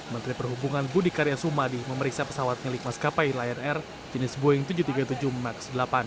menteri perhubungan budi karya sumadi memeriksa pesawat milik maskapai lion air jenis boeing tujuh ratus tiga puluh tujuh max delapan